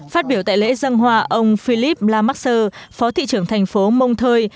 phát biểu tại lễ dân hòa ông philippe lamaxer phó thị trưởng thành phố monteuil